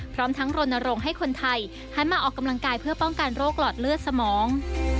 พร้อมทั้งรณรงค์ให้คนไทยหันมาออกกำลังกายเพื่อป้องกันโรคหลอดเลือดสมอง